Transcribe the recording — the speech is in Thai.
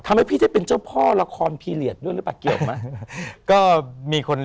ทำให้พี่ได้เป็นเจ้าพ่อละครพีเหลียดด้วยหรือเปล่าเกี่ยวมาก